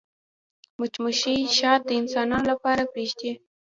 مچمچۍ شات د انسانانو لپاره پرېږدي